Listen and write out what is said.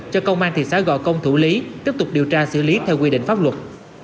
cho công an thị xã gò công thủ lý tiếp tục điều tra xử lý theo quy định pháp luật